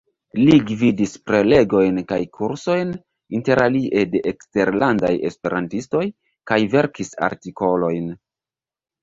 Li gvidis prelegojn kaj kursojn, interalie de eksterlandaj esperantistoj, kaj verkis artikolojn.